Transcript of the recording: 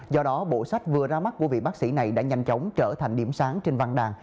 do đó bộ sách vừa ra mắt của vị bác sĩ này đã nhanh chóng trở thành điểm sáng trên văn đàn